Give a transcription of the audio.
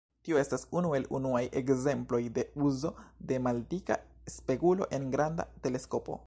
Tiu estas unu el unuaj ekzemploj de uzo de maldika spegulo en granda teleskopo.